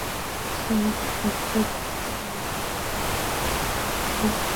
Sir Arthur Eddington ব্রাজিলে গিয়ে সূর্যগ্রহণের সময় আলোর বেঁকে যাওয়াও দেখে ফেলেছেন।